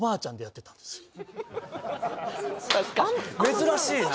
珍しいな。